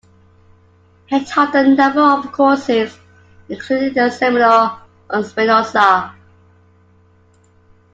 He taught a number of courses including a seminar on Spinoza.